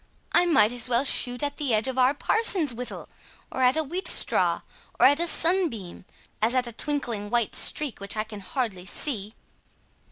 I might as well shoot at the edge of our parson's whittle, or at a wheat straw, or at a sunbeam, as at a twinkling white streak which I can hardly see."